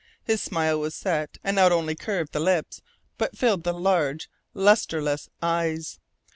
His smile was set, and not only curved the lips but filled the large, lustreless eyes.